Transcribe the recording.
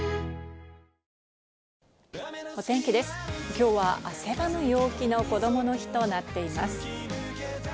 今日は汗ばむ陽気のこどもの日となっています。